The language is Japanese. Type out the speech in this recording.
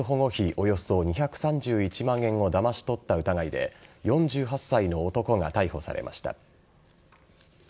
およそ２３１万円をだまし取った疑いで４８歳の男が逮捕されました。